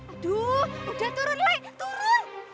aduh udah turun lagi turun